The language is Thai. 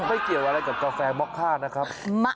ไม่เกี่ยวอะไรกับกาแฟม็อกค่านะครับ